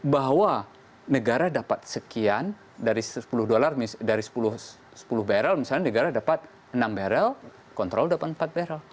bahwa negara dapat sekian dari sepuluh barrel misalnya negara dapat enam barrel kontrol dapat empat barrel